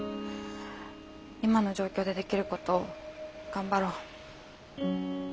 今の状況でできることを頑張ろう。